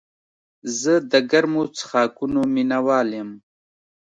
زه د ګرمو څښاکونو مینه وال یم.